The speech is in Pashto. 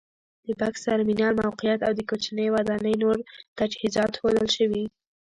د بکس ترمینل موقعیت او د کوچنۍ ودانۍ نور تجهیزات ښودل شوي.